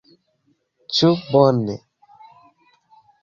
Ĉu bone?